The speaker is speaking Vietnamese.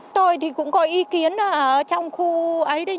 tôi thì cũng có ý kiến ở trong khu ấy